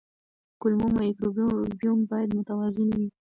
کولمو مایکروبیوم باید متوازن وي.